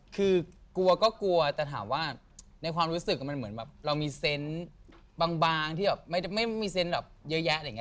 คือกลัวก็กลัวแต่ถามว่าในความรู้สึกมันเหมือนแบบเรามีเซนต์บางที่แบบไม่มีเซนต์แบบเยอะแยะอะไรอย่างนี้